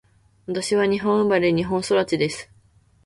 私は日本生まれ、日本育ちです。